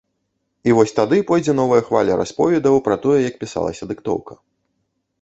І вось тады пойдзе новая хваля расповедаў пра тое, як пісалася дыктоўка.